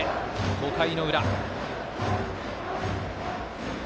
５回の裏。